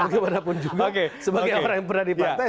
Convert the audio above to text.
kepada pun juga sebagai orang yang pernah di partai